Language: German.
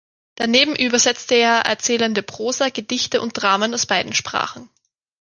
Daneben übersetzt er erzählende Prosa, Gedichte und Dramen aus beiden Sprachen.